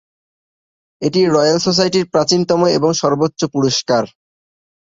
এটি রয়েল সোসাইটির প্রাচীনতম এবং সর্বোচ্চ পুরস্কার।